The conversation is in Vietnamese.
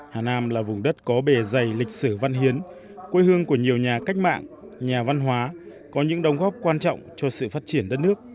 hà nam là vùng đất có bề dày lịch sử văn hiến quê hương của nhiều nhà cách mạng nhà văn hóa có những đồng góp quan trọng cho sự phát triển đất nước